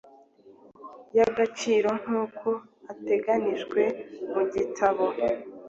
y agaciro nk uko ateganijwe mu gitabo